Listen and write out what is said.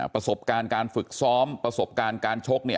ประสบการณ์การฝึกซ้อมประสบการณ์การชกเนี่ย